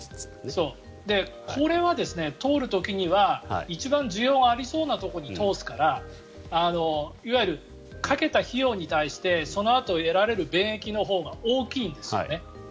これは通る時には一番需要がありそうなところに通すからいわゆるかけた費用に対してそのあと得られる便益のほうが大きいんですね。